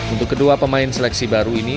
untuk kedua pemain seleksi baru ini